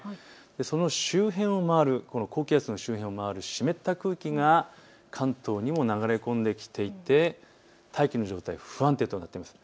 その周辺を回る、高気圧の周辺を回る湿った空気が関東にも流れ込んできていて大気の状態不安定になっています。